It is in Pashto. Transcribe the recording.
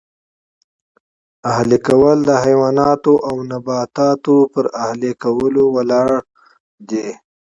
اهلي کول د حیواناتو او نباتاتو پر اهلي کولو ولاړ دی